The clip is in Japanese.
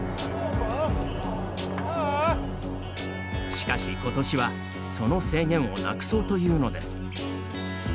しかし、ことしはその制限をなくそうというのです。